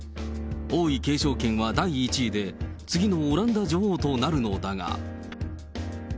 王位継承権は第１位で、次のオランダ女王となるのだが。